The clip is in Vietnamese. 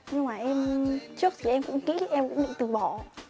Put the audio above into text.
nhưng mà em trước thì em cũng nghĩ em cũng định từ bỏ